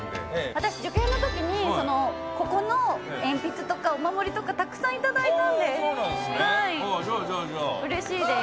私受験のときにここの鉛筆とかお守りとかたくさん頂いたんでうれしいです。